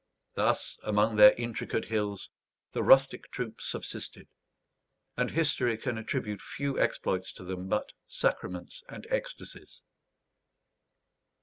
Thus, among their intricate hills, the rustic troop subsisted; and history can attribute few exploits to them but sacraments and ecstasies.